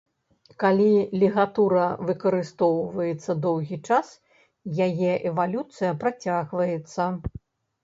Калі лігатура выкарыстоўваецца доўгі час, яе эвалюцыя працягваецца.